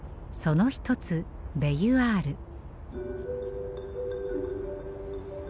その一つベユアール。